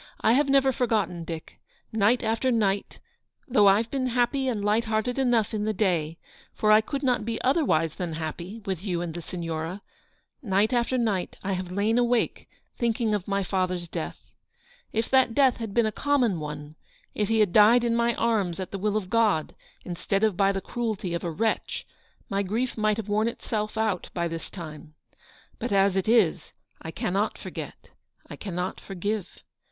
I have never forgotten, Dick. Night after night — though I've been happy and light hearted enough in the day, for I could not be otherwise than happy with you and the Signora — night after night I have lain awake thinking of my father's death. If that death had been a common one ; if he had died in my arms at the will of God instead of by the cruelty of a wretch, my grief might have worn itself out by this time. But as it is, I cannot forget; I cannot forgive.